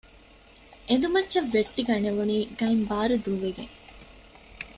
އެނދު މައްޗަށް ވެއްޓިގަނެވުނީ ގައިން ބާރު ދޫވެގެން